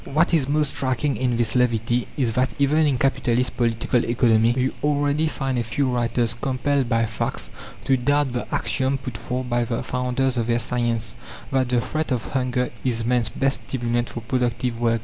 What is most striking in this levity is that even in capitalist Political Economy you already find a few writers compelled by facts to doubt the axiom put forth by the founders of their science, that the threat of hunger is man's best stimulant for productive work.